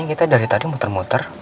kita dari tadi muter muter